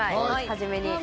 初めに。